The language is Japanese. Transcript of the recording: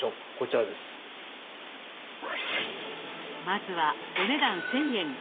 まずはお値段１，０００円。